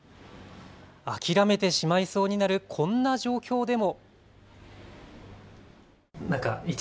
諦めてしまいそうになるこんな状況でも。